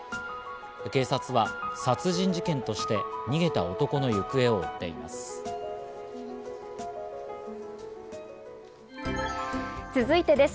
警察は殺人事件として、逃げた男の行方を追っています。